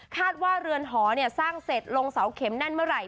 ว่าเรือนหอสร้างเสร็จลงเสาเข็มแน่นเมื่อไหร